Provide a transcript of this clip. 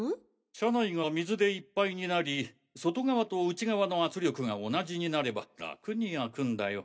車内が水でいっぱいになり外側と内側の圧力が同じになれば楽に開くんだよ。